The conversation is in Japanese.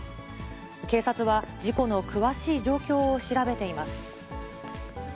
警察は事故の詳しい状況を調べています。